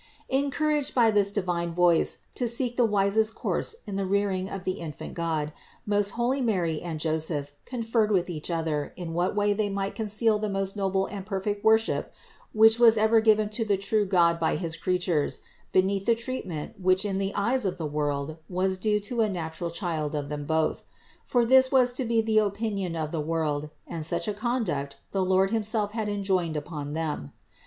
440. Encouraged by this divine voice to seek the wisest course in the rearing of the infant God, most holy Mary and Joseph conferred with each other in what way they might conceal the most noble and perfect worship which was ever given to the true God by his creatures, beneath the treatment which in the eyes of the world was THE INCARNATION 365 due to a natural child of them both; for this was to be the opinion of the world, and such a conduct the Lord himself had enjoined upon them.